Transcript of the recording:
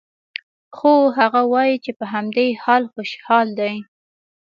خو هغه وايي چې په همدې حال خوشحال دی